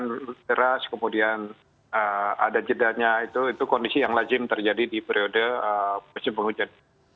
hujan deras kemudian ada jedanya itu kondisi yang lazim terjadi di periode musim penghujan